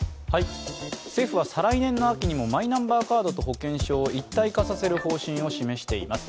政府は再来年の秋にもマイナンバーカードと保険証を一体化させる方針を示しています。